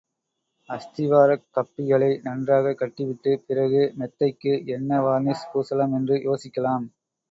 அஸ்திவாரக் கப்பிகளை நன்றாகக் கட்டிவிட்டுப் பிறகு மெத்தைக்கு என்ன வார்னிஷ் பூசலாம் என்று யோசிக்கலாம்.